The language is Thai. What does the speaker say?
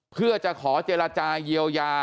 เพื่อจะขอเจรจาเยียวยา